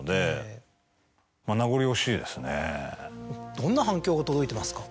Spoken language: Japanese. どんな反響が届いてますか？